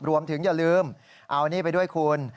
รวมถึงอย่าลืมเอานี่ไปด้วยคุณ